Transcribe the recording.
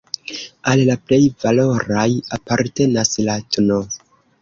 Al la plej valoraj apartenas la tn.